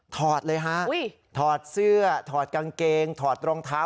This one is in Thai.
เลยฮะถอดเสื้อถอดกางเกงถอดรองเท้า